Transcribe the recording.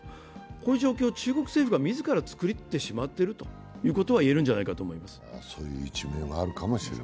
こういう状況を中国政府は自ら作ってしまっているということは言えるんじゃないかと思います。